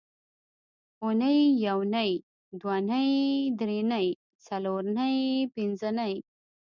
اونۍ یونۍ دونۍ درېنۍ څلورنۍ پینځنۍ